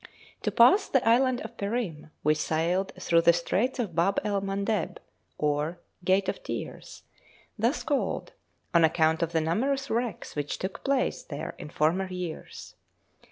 To pass the island of Perim we sailed through the Straits of Bab el Mandeb, or 'Gate of Tears,' thus called on account of the numerous wrecks which took place there in former years.